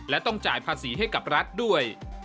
และต้องจ่ายภาษีให้กับรัฐด้วย